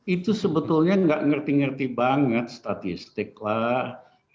itu sebetulnya nggak ngerti ngerti banget statistik lah